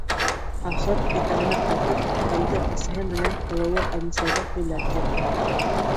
Ахыр, өйҙәренә ҡайтып, хәлде әсәһе менән һылыуы Әнисәгә һөйләп бирҙе.